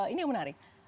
ini yang menarik